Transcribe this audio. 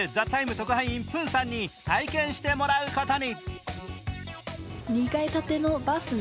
特派員、プンさんに体験してもらうことに。